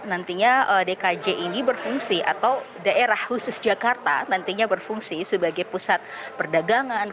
nantinya dkj ini berfungsi atau daerah khusus jakarta nantinya berfungsi sebagai pusat perdagangan